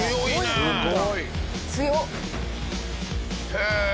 へえ！